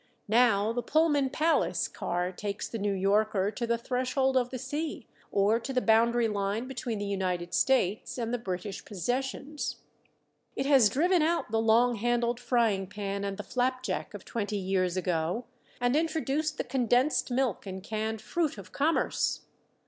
Now the Pullman palace car takes the New Yorker to the threshold of the sea, or to the boundary line between the United States and the British possessions. It has driven out the long handled frying pan and the flapjack of twenty years ago, and introduced the condensed milk and canned fruit of commerce.